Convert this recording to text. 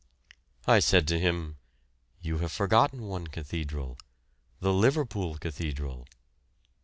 I said to him, "You have forgotten one cathedral, the Liverpool cathedral."